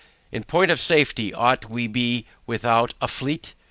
In point of safety, ought we to be without a fleet?